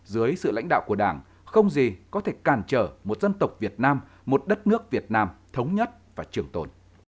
dưới sự lãnh đạo của đảng không gì có thể cản trở một dân tộc việt nam một đất nước việt nam thống nhất và trường tồn